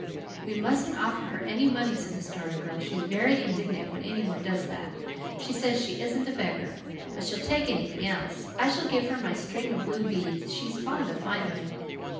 "We mustn't offer her any money," said the Story Girl. "She's very indignant when any one does that. She says she isn't a beggar. But she'll take anything else. I shall give her my string of blue beads. She's fond of finery."